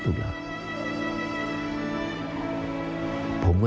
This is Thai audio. เหมือนวันที่พพ่องท่านจับวันที่๒๓นึกแล้ว